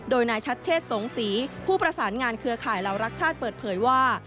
โดยนายชัดเชษสงศรีผู้ประสานงานเครือข่ายเหล่ารักชาติเปิดเผยว่า